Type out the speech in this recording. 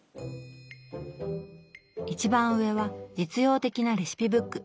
一番上は実用的なレシピブック。